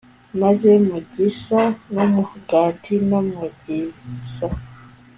maze mu gisa n'umugati, no mugisa